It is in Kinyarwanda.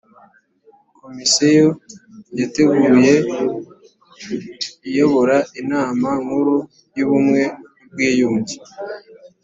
komisiyo yateguye iyobora inama nkuru y ubumwe n ubwiyunge